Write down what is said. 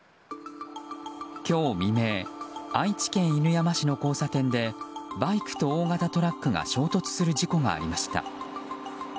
今日未明、愛知県犬山市の交差点でバイクと大型トラックが衝突する事故がありました。